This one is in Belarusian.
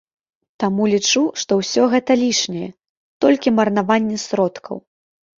Таму лічу, што ўсё гэта лішняе, толькі марнаванне сродкаў.